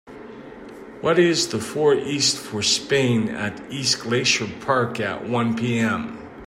what is the foreast for Spain at East Glacier Park at one pm